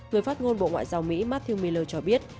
người phát ngôn bộ ngoại giao mỹ matthew miller cho biết